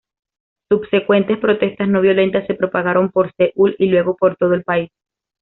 Subsecuentes protestas no violentas se propagaron por Seúl y luego por todo el país.